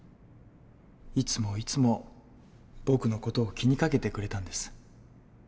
いつもいつも僕の事を気にかけてくれたんです。